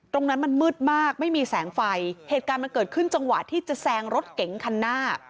ตรงนั้นมันมืดมากไม่มีแสงไฟเหตุการณ์มันเกิดขึ้นจังหวะที่จะแซงรถเก๋งคันหน้า